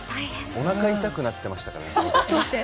おなか痛くなってましたからね。